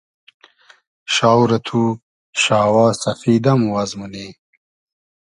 شاو رۂ تو شاوا سئفید ام واز مونی